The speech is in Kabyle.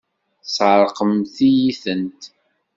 Tesεeṛqemt-iyi-tent!